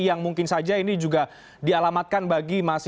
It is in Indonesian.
yang mungkin saja ini juga dialamatkan bagi mahasiswa yang melakukan ini